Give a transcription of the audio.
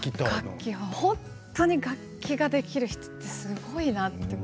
本当に楽器ができる人ってすごいなって。